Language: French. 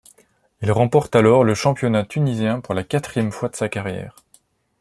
Il remporte alors le championnat tunisien pour la quatrième fois de sa carrière.